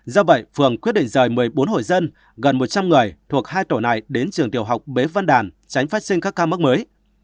do vậy phường quyết định rời một mươi bốn hội dân gần một trăm linh người thuộc hai tổ này đến trường tiểu học bế văn đàn tránh phát sinh các ca mắc mới